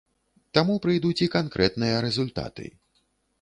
Таму прыйдуць і канкрэтныя рэзультаты.